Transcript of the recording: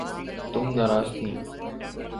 تم ناراض تھیں